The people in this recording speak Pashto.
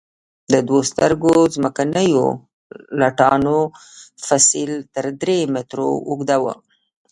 د دوو سترو ځمکنیو لټانو فسیل تر درې مترو اوږده وو.